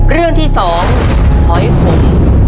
เรื่องที่๒หอยขม